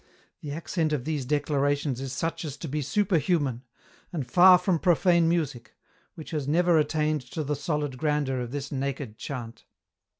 The accent of these declarations is such as to be super human, and far from profane music, which has never attained to the solid grandeur of this naked chant."